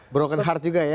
broken heart juga ya